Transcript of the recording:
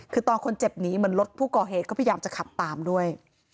คือตอนคนเจ็บหนีเหมือนรถผู้ก่อเหตุก็พยายามจะขับตามด้วย